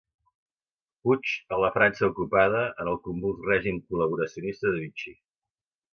Puig a la França ocupada, en el convuls règim col·laboracionista de Vichy.